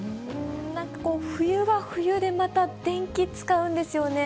なんかこう、冬は冬でまた電気使うんですよね。